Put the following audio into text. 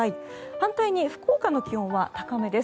反対に福岡の気温は高めです。